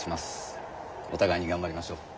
お互いに頑張りましょう。